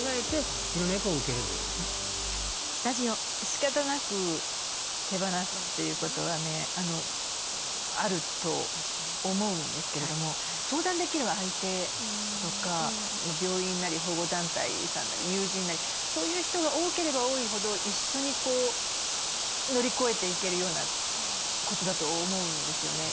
しかたなく手放すっていうことはねあると思うんですけれども相談できる相手とか病院なり保護団体さんなり友人なりそういう人が多ければ多いほど一緒に乗り越えていけるようなことだと思うんですよね。